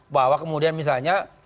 bahwa kemudian misalnya